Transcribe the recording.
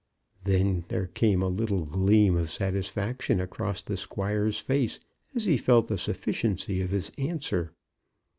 Then there came a little gleam of satisfaction across the squire's face as he felt the sufficiency of his answer.